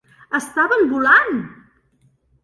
Estaven volant!